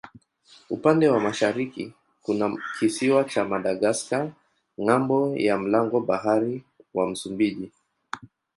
Upande wa mashariki kuna kisiwa cha Madagaska ng'ambo ya mlango bahari wa Msumbiji.